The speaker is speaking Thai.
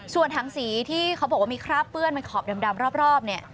ส่วนถังศรีที่เขาบอกว่ามีคราบเปื้อนในขอบดำรอบ